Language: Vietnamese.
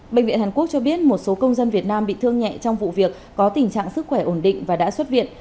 bệnh viện hàn quốc cho biết một số công dân việt nam bị thương nhẹ trong vụ việc có tình trạng sức khỏe ổn định và đã xuất viện